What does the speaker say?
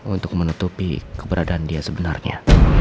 untuk menutupi keberadaan dia sebenarnya